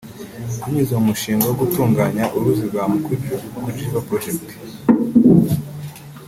binyuze mu mushinga wo gutunganya uruzi rwa Mkuju (Mkuju River Project)